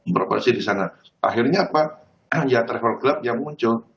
beroperasi di sana akhirnya apa ya travel club yang muncul